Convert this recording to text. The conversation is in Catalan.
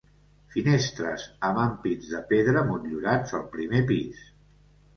Finestres amb ampits de pedra motllurats al primer pis.